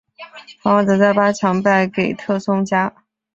法网则在八强败给特松加。